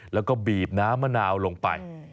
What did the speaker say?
แล้วก็บีบน้ำมะนาวลงไป